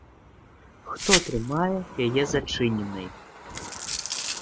Хто трымае яе зачыненай?